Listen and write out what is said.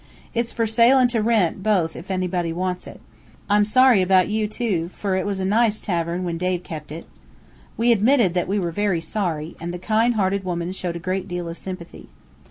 It's fur sale an' to rent, both, ef anybody wants it. I'm sorry about you, too, fur it was a nice tavern, when Dave kept it." We admitted that we were also very sorry, and the kind hearted woman showed a great deal of sympathy.